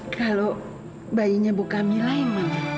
kalau bayinya bu kamila yang mana